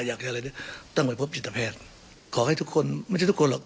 อยากจะอะไรเนี่ยต้องไปพบจิตแพทย์ขอให้ทุกคนไม่ใช่ทุกคนหรอก